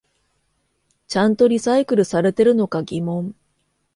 ちゃんとリサイクルされてるのか疑問